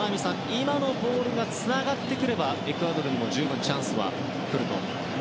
今のボールがつながればエクアドルにも十分チャンスは来ると。